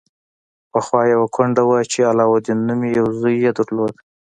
پخوا یوه کونډه وه چې علاوالدین نومې یو زوی یې درلود.